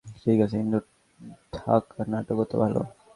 ঢাকার বাইরের নাটক ভালো হচ্ছে ঠিক আছে, কিন্তু ঢাকার নাটকও তো ভালো।